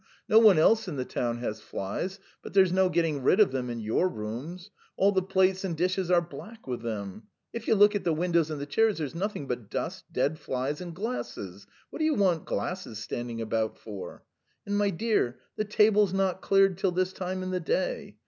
No one else in the town has flies, but there's no getting rid of them in your rooms: all the plates and dishes are black with them. If you look at the windows and the chairs, there's nothing but dust, dead flies, and glasses. ... What do you want glasses standing about for? And, my dear, the table's not cleared till this time in the day.